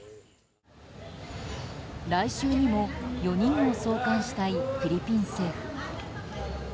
来週にも４人を送還したいフィリピン政府。